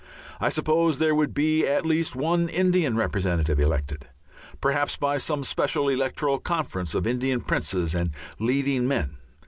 I suppose there would be at least one Indian representative elected, perhaps by some special electoral conference of Indian princes and leading men.